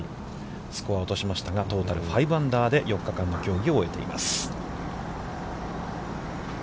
スコアを落としましたが、トータル５アンダーで４日間の競技を終えています。